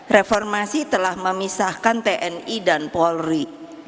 reformasi telah memisahkan tni dan polri